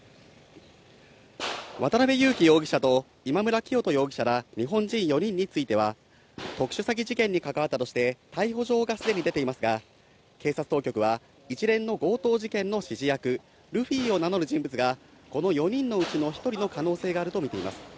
渡辺優樹容疑者と今村磨人容疑者ら日本人４人については、特殊詐欺事件に関わったとして逮捕状がすでに出ていますが、警察当局は一連の強盗事件の指示役、ルフィを名乗る人物が、この４人のうちの１人の可能性があると見ています。